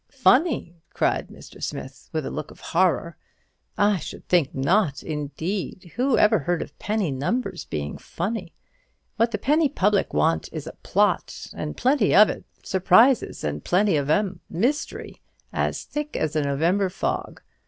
"Funny!" cried Mr. Smith, with a look of horror; "I should think not, indeed. Who ever heard of penny numbers being funny? What the penny public want is plot, and plenty of it; surprises, and plenty of 'em; mystery, as thick as a November fog.